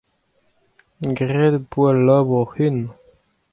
Graet ho poa al labour hoc'h-unan.